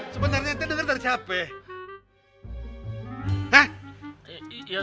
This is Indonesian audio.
sebenarnya kita denger dari siapa ya